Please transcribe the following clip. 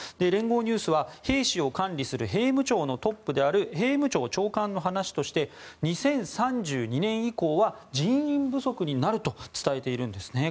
連合ニュースは、兵士を管理する兵務庁トップである兵務庁長官の話として２０３２年以降は人員不足になると伝えているんです。